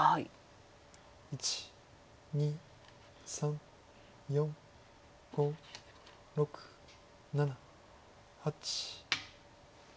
１２３４５６７８。